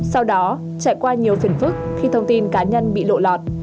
sau đó trải qua nhiều phiền phức khi thông tin cá nhân bị lộ lọt